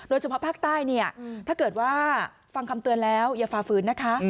เฉพาะภาคใต้เนี่ยถ้าเกิดว่าฟังคำเตือนแล้วอย่าฝ่าฝืนนะคะ